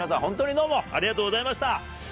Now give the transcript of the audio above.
ホントにどうもありがとうございました。